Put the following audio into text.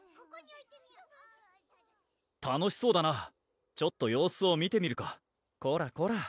楽しそうだなちょっと様子を見てみるかこらこら